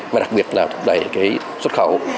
và đặc biệt là đẩy cái xuất khẩu